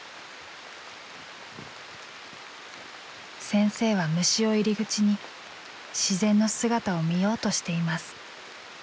先生は虫を入り口に自然の姿を見ようとしています。